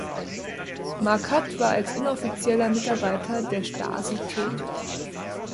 Marquardt war als Inoffizieller Mitarbeiter der Stasi tätig.